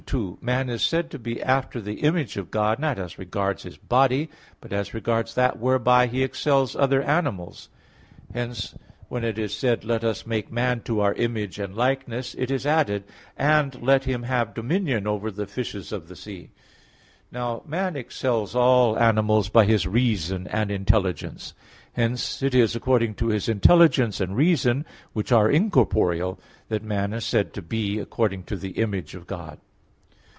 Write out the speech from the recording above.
2: Man is said to be after the image of God, not as regards his body, but as regards that whereby he excels other animals. Hence, when it is said, "Let us make man to our image and likeness", it is added, "And let him have dominion over the fishes of the sea" (Gen. 1:26). Now man excels all animals by his reason and intelligence; hence it is according to his intelligence and reason, which are incorporeal, that man is said to be according to the image of God.